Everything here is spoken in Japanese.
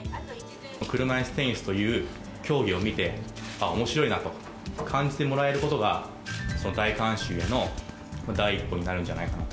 車いすテニスという競技を見て、おもしろいなと感じてもらえることが、大観衆への第一歩になるんじゃないかなと。